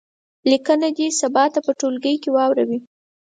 لیکنه دې سبا ته په ټولګي کې واوروي.